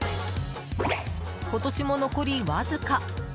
今年も残りわずか。